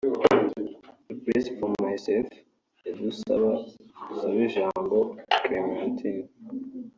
A Place for Myself ya Dusabejambo Clementine (Rwanda)